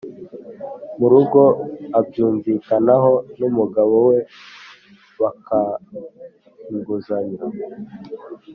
mu rugo abyumvikanaho n’umugabo we baka inguzanyo